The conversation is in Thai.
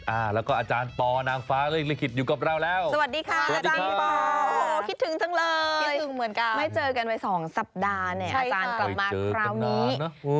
อ่าแล้วก็อาจารย์ปอนางฟ้าเลขลิขิตอยู่กับเราแล้วสวัสดีค่ะอาจารย์ปอโอ้โหคิดถึงจังเลยคิดถึงเหมือนกันไม่เจอกันไว้สองสัปดาห์เนี่ยอาจารย์กลับมาคราวนี้